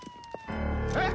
えっ！？